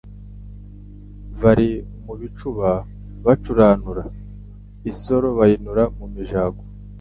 Bari mu bicuba bacuranura, Isoro bayinura mu mijago :